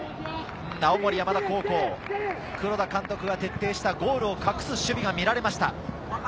青森山田高校、黒田監督が徹底した、ゴールを隠す守備が見られました。